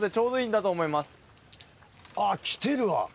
あぁ来てるわ。